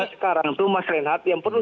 sekarang itu mas renhat yang perlu